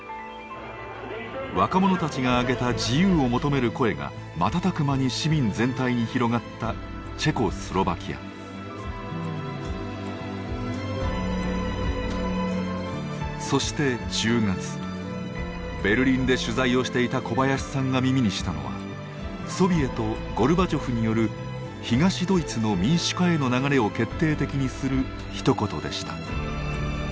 若者たちが上げた自由を求める声が瞬く間に市民全体に広がったそして１０月ベルリンで取材をしていた小林さんが耳にしたのはソビエトゴルバチョフによる東ドイツの民主化への流れを決定的にするひと言でした。